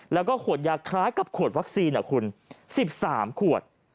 แล้วก็ขวดยาคล้ายกับขวดวัคซีนคุณ๑๓ขวด